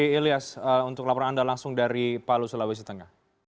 ilyas untuk laporan anda langsung dari palu sulawesi tengah